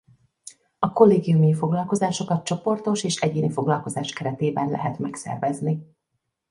A kollégiumi foglalkozásokat csoportos és egyéni foglalkozás keretében lehet megszervezni.